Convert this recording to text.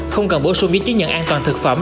không cần bổ sung với chế nhận an toàn thực phẩm